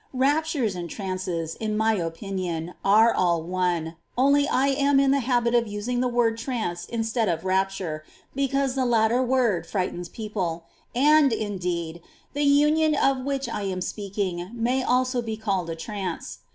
8. Eaptures and trance, in my opinion, are all one, only I am in the habit of using the word trance instead ^^^^^ of rapture because the latter word frightens people ; and, indeed, the union of which I am speaking may also be called a trance.